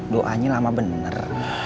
doanya lama bener